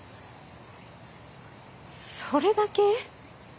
それだけ？